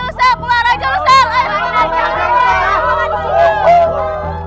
lo udah kembali ke tempat yang sama